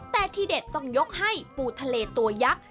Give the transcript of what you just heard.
แต่ที่เด็ดต้องยกให้ปูทะเลตัวยักษ์